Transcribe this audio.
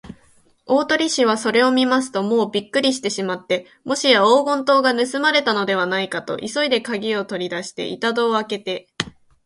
大鳥氏はそれを見ますと、もうびっくりしてしまって、もしや黄金塔がぬすまれたのではないかと、急いでかぎをとりだし、板戸をあけて